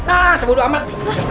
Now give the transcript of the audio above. ah semudu amat